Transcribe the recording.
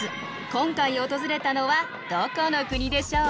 今回訪れたのはどこの国でしょうか？